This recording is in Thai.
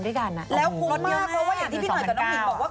แล้วโพสต์มากเพราะว่าอย่างที่พี่หน่อยกับน้องหมินบอกว่า